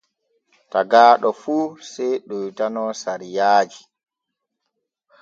Tagaaɗo fu sey ɗoytano sariyaaji.